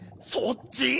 そっち？